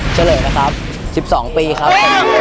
เฉลยนะครับ๑๒ปีครับ